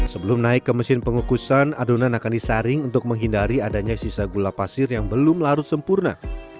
sebelum naik ke mesin pengukusan adonan akan disaring untuk menghindari adanya sisa gula pasir yang belum larut sempurna